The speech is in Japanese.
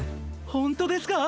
ほんとですか？